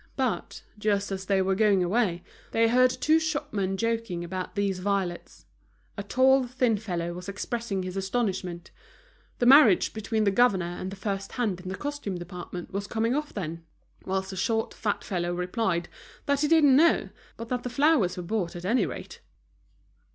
But, just as they were going away, they heard two shopmen joking about these violets. A tall, thin fellow was expressing his astonishment: the marriage between the governor and the first hand in the costume department was coming off, then? whilst a short, fat fellow replied that he didn't know, but that the flowers were bought at any rate.